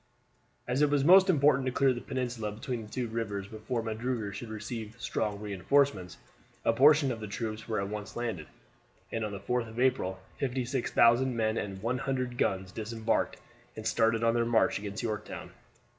As it was most important to clear the peninsula between the two rivers before Magruder should receive strong reinforcements, a portion of the troops were at once landed, and on the 4th of April 56,000 men and 100 guns disembarked and started on their march against Yorktown.